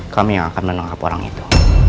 kami yang akan menangkap orang itu